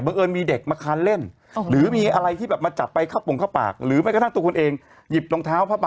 บังเอิญมีเด็กมาคันเล่นหรือมีอะไรที่แบบ